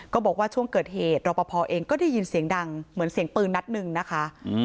บอกว่าช่วงเกิดเหตุรอปภเองก็ได้ยินเสียงดังเหมือนเสียงปืนนัดหนึ่งนะคะ